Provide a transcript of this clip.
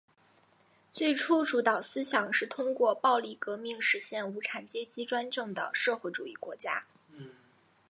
最初主导思想是通过暴力革命实现无产阶级专政的社会主义国家。